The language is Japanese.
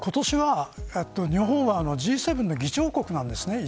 今年は日本はＧ７の議長国なんですね。